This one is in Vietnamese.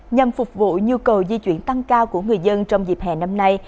nhằm phục vụ nhu cầu di chuyển tăng cao của người dân trong dịp hè năm nay